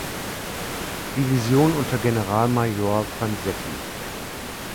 Division unter Generalmajor Fransecky.